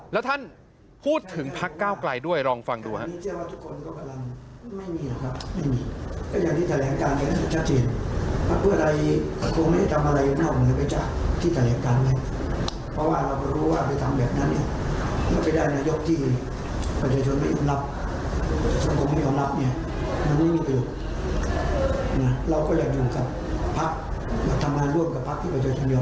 แล้วท่านพูดถึงพักก้าวไกลด้วยลองฟังดูครับ